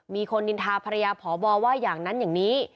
มีคนนินทาภรรยาพบว่าอย่างนั้นอย่างนี้